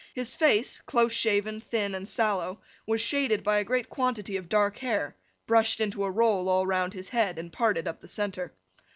His face, close shaven, thin, and sallow, was shaded by a great quantity of dark hair, brushed into a roll all round his head, and parted up the centre.